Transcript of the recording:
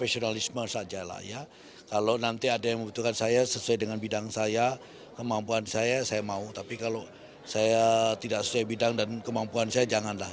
saya tidak setia bidang dan kemampuan saya janganlah